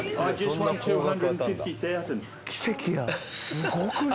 すごくない！？